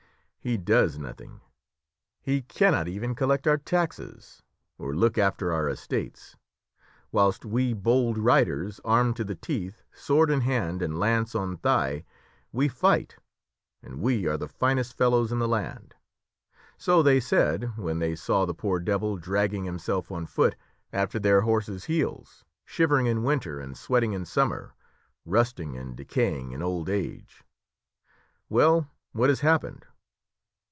'He does nothing, he cannot even collect our taxes, or look after our estates, whilst we bold riders, armed to the teeth, sword in hand and lance on thigh, we fight, and we are the finest fellows in the land!' So they said when they saw the poor devil dragging himself on foot after their horses' heels, shivering in winter and sweating in summer, rusting and decaying in old age. Well, what has happened?